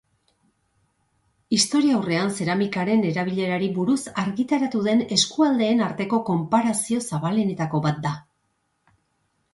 Historiaurrean zeramikaren erabilerari buruz argitaratu den eskualdeen arteko konparazio zabalenetako bat da.